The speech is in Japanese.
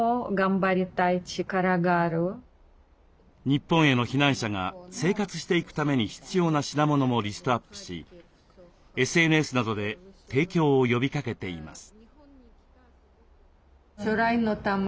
日本への避難者が生活していくために必要な品物もリストアップしＳＮＳなどで提供を呼びかけています。